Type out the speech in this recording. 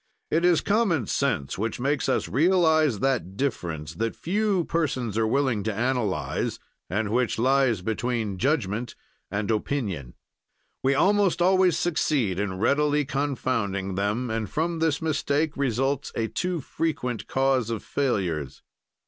"It is common sense which makes us realize that difference that few persons are willing to analyze, and which lies between judgment and opinion. "We almost always succeed in readily confounding them, and from this mistake results a too frequent cause of failures.